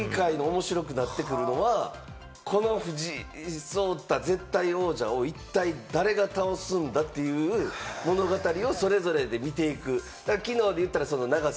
こっから将棋界が面白くなってくるのは、この藤井聡太絶対王者を一体、誰が倒すんだという物語をそれぞれで見ていく。